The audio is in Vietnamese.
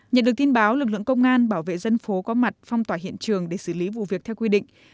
nhận được tin báo lực lượng công an bảo vệ dân phố có mặt phong tỏa hiện trường để xử lý vụ việc theo quy định